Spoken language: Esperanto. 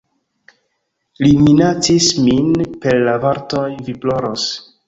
Li minacis min per la vortoj "Vi ploros!